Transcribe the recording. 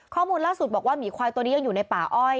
ข้อมูลล่าสุดบอกว่าหมีควายตัวนี้ยังอยู่ในป่าอ้อย